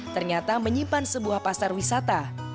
ternyata menyimpan sebuah pasar wisata